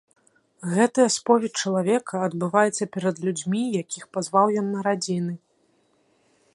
Гэтая споведзь чалавека адбываецца перад людзьмі, якіх пазваў ён на радзіны.